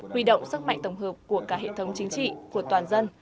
huy động sức mạnh tổng hợp của cả hệ thống chính trị của toàn dân